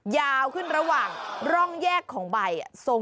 ยาวขึ้นระหว่างร่องแยกของใบ